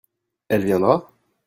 Elle viendra ?